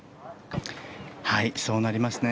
そうなりますね。